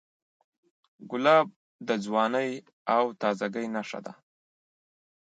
ګلاب د ځوانۍ او تازهګۍ نښه ده.